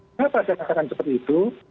kenapa saya katakan seperti itu